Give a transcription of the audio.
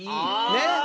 ねっ？